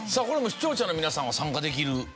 これも視聴者の皆さんが参加できる？